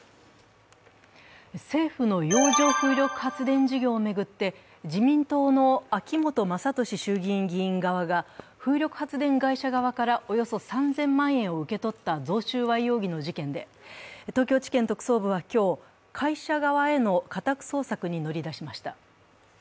政府の洋上風力発電事業を巡って、自民党の秋本真利衆議院議員側が風力発電会社側からおよそ３０００万円を受け取った贈収賄容疑の事件で東京地検特捜部は今日、会社側への家宅捜索に乗り出しました。